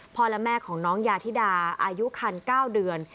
และแม่ของน้องยาธิดาอายุคัน๙เดือน